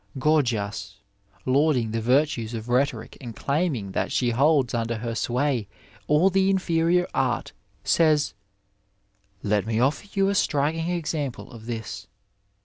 Gorgias, lauding the virtues of rhetoric and claiming that she holds under her sway all the inferior art, says :" Let me offer you a striking ex ample of this.